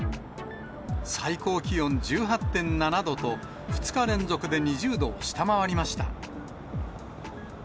最高気温１８．７度と、２日連続で２０度を下回りました。